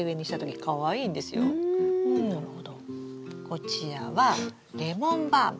こちらはレモンバーム。